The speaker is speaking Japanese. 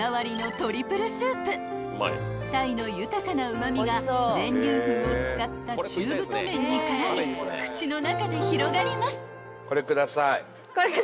［鯛の豊かなうま味が全粒粉を使った中太麺に絡み口の中で広がります］